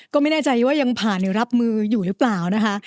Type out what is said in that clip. ก็ไม่แน่ใจว่ายังผ่านรับมืออยู่หรือเปล่านะคะ